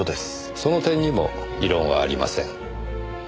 その点にも異論はありません。